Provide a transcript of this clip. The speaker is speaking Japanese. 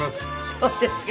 そうですか。